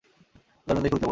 উদারতা দেখি উথলে পড়ছে।